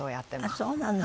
ああそうなの。